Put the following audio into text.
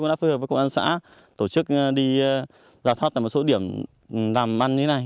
đã phối hợp với công an xã tổ chức đi giả soát tại một số điểm làm ăn như thế này